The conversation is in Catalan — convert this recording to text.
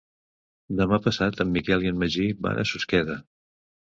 Demà passat en Miquel i en Magí van a Susqueda.